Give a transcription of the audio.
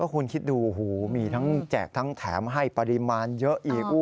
คุณคิดดูโอ้โหมีทั้งแจกทั้งแถมให้ปริมาณเยอะอีก